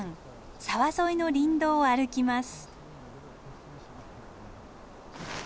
沢沿いの林道を歩きます。